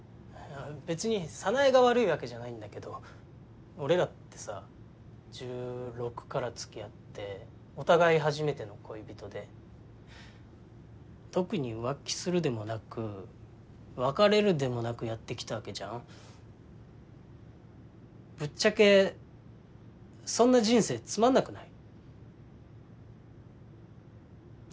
別に早苗が悪いわけじゃないんだけど俺らってさ１６からつきあってお互い初めての恋人で特に浮気するでもなく別れるでもなくやってきたわけじゃんぶっちゃけそんな人生つまんなくない？